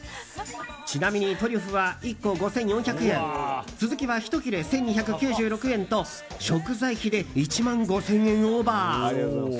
ちなみにトリュフは１個５４００円スズキは１切れ１２９６円と食材費で１万５０００円オーバー。